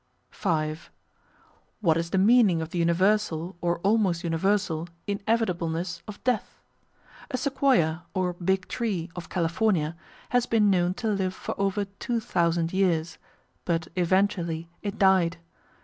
§ 5 What is the meaning of the universal or almost universal inevitableness of death? A Sequoia or "Big Tree" of California has been known to live for over two thousand years, but eventually it died.